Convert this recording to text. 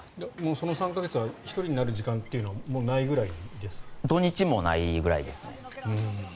その３か月間は１人になる時間というのは土日もないくらいですね。